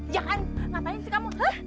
jangan ngapain sih kamu